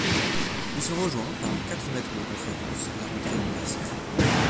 Ils sont rejoints par quatre maîtres de conférences à la rentrée universitaire.